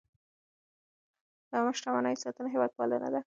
د عامه شتمنیو ساتنه هېوادپالنه ده.